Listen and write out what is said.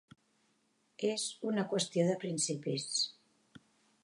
És una qüestió de principis.